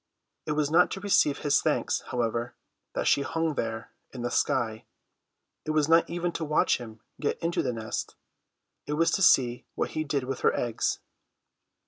It was not to receive his thanks, however, that she hung there in the sky; it was not even to watch him get into the nest; it was to see what he did with her eggs.